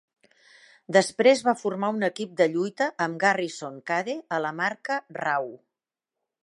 Després va formar un equip de lluita amb Garrison Cade a la marca "Raw".